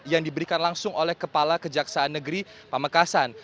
yang diberikan langsung oleh kepala kejaksaan negeri pamekasan